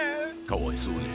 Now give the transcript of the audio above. かわいそうに。